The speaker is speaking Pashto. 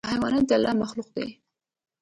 حیوانات د الله مخلوق دي.